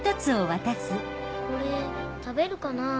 これ食べるかなぁ。